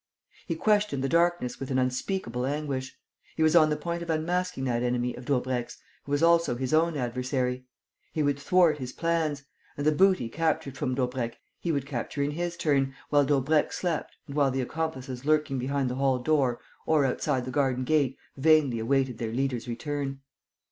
He questioned the darkness with an unspeakable anguish. He was on the point of unmasking that enemy of Daubrecq's, who was also his own adversary. He would thwart his plans. And the booty captured from Daubrecq he would capture in his turn, while Daubrecq slept and while the accomplices lurking behind the hall door or outside the garden gate vainly awaited their leader's return.